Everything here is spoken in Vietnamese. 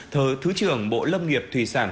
thứ trưởng bộ lâm nghiệp thủy sản